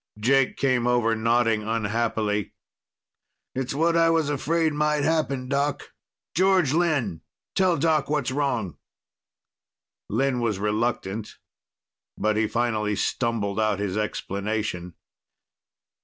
Jake came over, nodding unhappily. "It's what I was afraid might happen, Doc. George Lynn! Tell Doc what's wrong." Lynn was reluctant, but he finally stumbled out his explanation.